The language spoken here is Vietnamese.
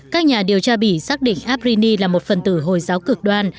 các nhà điều tra bì xác định afrini là một phần tử hồi giáo cực đoan